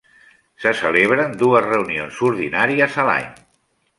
Se celebren dues reunions ordinàries a l'any.